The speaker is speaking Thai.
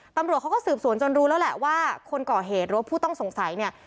ตำรวจเขาก็สืบสวนจนรู้แล้วแหละว่าคนก่อเหตุหรือว่าผู้ต้องสงสัยเนี่ย